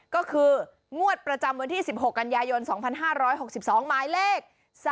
ก็คืองวดประจำวันที่๑๖กันยายน๒๕๖๒หมายเลข๓๔